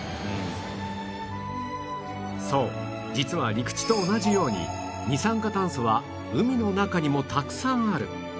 そう実は陸地と同じように二酸化炭素は海の中にもたくさんある